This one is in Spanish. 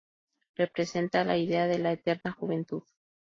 Representa la idea de la eterna juventud.